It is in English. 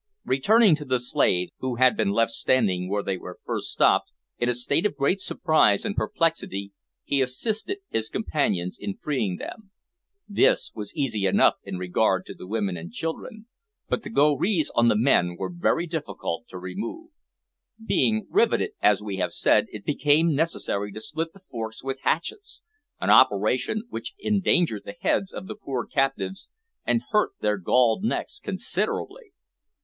Returning to the slaves, who had been left standing where they were first stopped, in a state of great surprise and perplexity, he assisted his companions in freeing them. This was easy enough in regard to the women and children, but the gorees on the men were very difficult to remove. Being riveted, as we have said, it became necessary to split the forks with hatchets, an operation which endangered the heads of the poor captives and hurt their galled necks considerably.